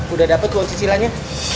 udah dapet uang cicilannya